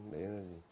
đấy là gì